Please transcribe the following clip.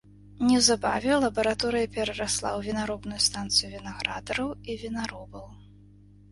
Неўзабаве лабараторыя перарасла ў вінаробную станцыю вінаградараў і вінаробаў.